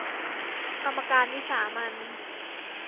กรรมการวิสามัญ